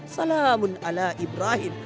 salamun ala ibrahim